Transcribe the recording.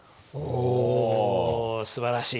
おおすばらしい。